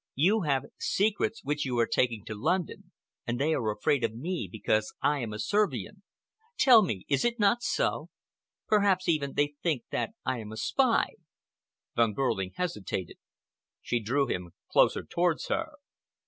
"You have secrets which you are taking to London, and they are afraid of me because I am a Servian. Tell me, is it not so? Perhaps, even, they think that I am a spy." Von Behrling hesitated. She drew him closer towards her.